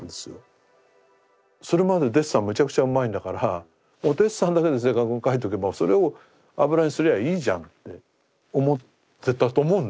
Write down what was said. それまでデッサンめちゃくちゃうまいんだからデッサンだけで正確に描いておけばそれを油絵にすりゃいいじゃんって思ってたと思うんだよ。